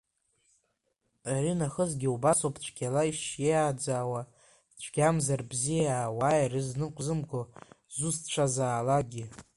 Аринахысгьы убасоуп цәгьала ишиаӡаауа, цәгьамзар бзиа ауаа ирызныҟәзымго зусҭцәазаалакгьы.